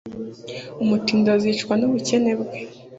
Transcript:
umutindi azicwa ni ubukene bwe